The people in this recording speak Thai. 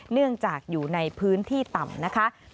เนื่องจากอยู่ในพื้นที่ต่ำนะคะ